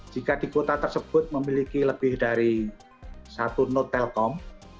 jika di kota tersebut memiliki lebih dari satu note telkom